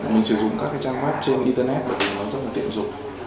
mình sử dụng các trang web trên internet và tìm nó rất tiện dụng